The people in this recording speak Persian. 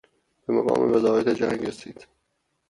به مقام وزارت جنگ رسید.